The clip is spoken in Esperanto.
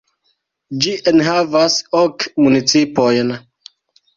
Ĝi enhavas ok municipojn.